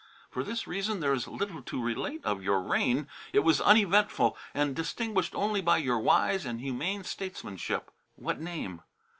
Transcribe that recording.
For this reason there is little to relate of your reign. It was uneventful and distinguished only by your wise and humane statesmanship " "What name?"